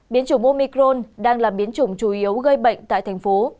biến chủng momicron đang là biến chủng chủ yếu gây bệnh tại thành phố